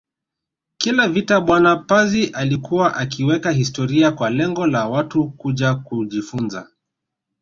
Kila vita bwana Pazi alikuwa akiweka historia kwa lengo la Watu kuja kujifunza